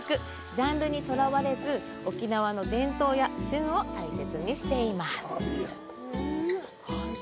ジャンルにとらわれず沖縄の伝統や旬を大切にしています。